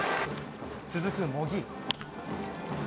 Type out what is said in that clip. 続く、茂木。